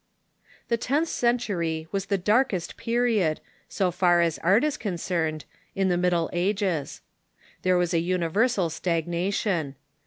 The tenth century was the darkest period, so far as art is concerned, in the Middle Ages. There was universal stagna tion.